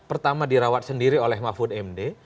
pertama dirawat sendiri oleh mahfud md